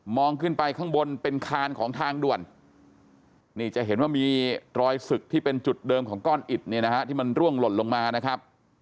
ขึ้นไปข้างบนเป็นคานของทางด่วนนี่จะเห็นว่ามีรอยศึกที่เป็นจุดเดิมของก้อนอิดเนี่ยนะฮะที่มันร่วงหล่นลงมานะครับ